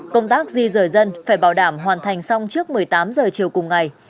công tác di rời dân phải bảo đảm hoàn thành xong trước một mươi tám giờ chiều cùng ngày